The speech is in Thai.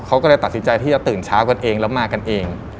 เขาก็เลยตัดสินใจที่จะตื่นเช้ากันเองแล้วมากันเอง